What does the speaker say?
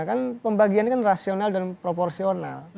kan pembagiannya kan rasional dan proporsional